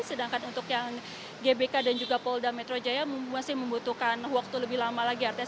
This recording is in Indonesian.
sedangkan untuk yang gbk dan juga polda metro jaya masih membutuhkan waktu lebih lama lagi